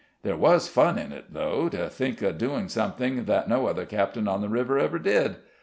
There was fun in it, though, to think of doing something that no other captain on the river ever did.